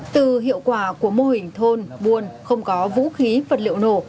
từ hiệu quả của mô hình thôn buôn không có vũ khí vật liệu nổ